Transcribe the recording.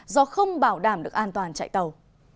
do không bảo đảm được an toàn chạy tàu